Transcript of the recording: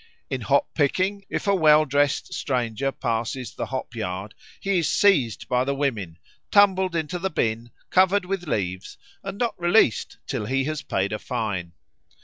In hop picking, if a well dressed stranger passes the hop yard, he is seized by the women, tumbled into the bin, covered with leaves, and not released till he has paid a fine.